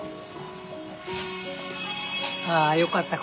ああよかった